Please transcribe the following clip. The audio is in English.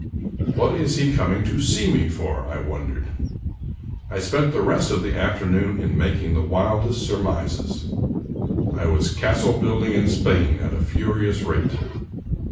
What is he coming to see me for ? I wondered. I spent the rest of the afternoon in making the wildest surmises. I was castle building in Spain at a furious rate.